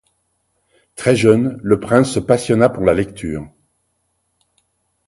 Très jeune, le prince se passionna pour la lecture.